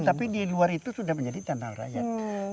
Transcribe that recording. tapi di luar itu sudah menjadi tantangan rakyat